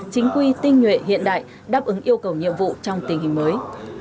chính quy tinh nhuệ hiện đại đáp ứng yêu cầu nhiệm vụ trong tình hình mới